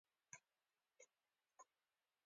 بدرنګه نیت نېک نیتونه وژني